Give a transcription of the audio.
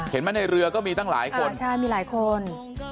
ในเรือก็มีตั้งหลายคนใช่มีหลายคน